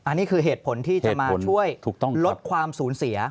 อันนี้คือเหตุผลที่จะมาช่วยลดความสูญเสีย